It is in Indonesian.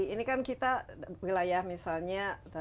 ini kan kita wilayah misalnya